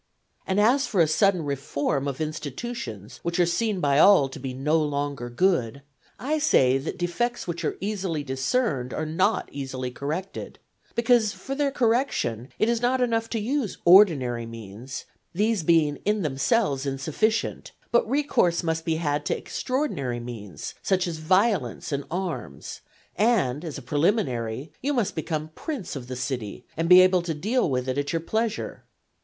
And as for a sudden reform of institutions which are seen by all to be no longer good, I say that defects which are easily discerned are not easily corrected, because for their correction it is not enough to use ordinary means, these being in themselves insufficient; but recourse must be had to extraordinary means, such as violence and arms; and, as a preliminary, you must become prince of the city, and be able to deal with it at your pleasure.